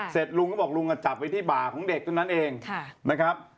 เสร็จลุงก็บอกลุงก็จับไปที่บ่าของเด็กตัวนั้นเองนะครับ